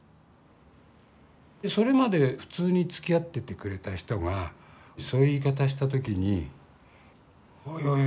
それまで普通につきあっててくれた人がそういう言い方したときにおいおいおいおい